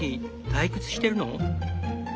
退屈してるの？